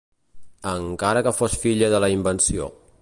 ...encara que fos filla de la invenció.